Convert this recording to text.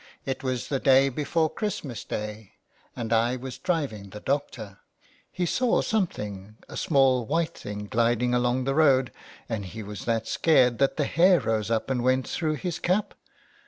It was the day before Christmas Day, and I was driving the doctor ; he saw something, a small white thing gliding along the road, and he was that scared that the hair rose up and went through his cap."